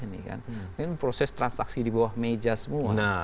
ini proses transaksi di bawah meja semua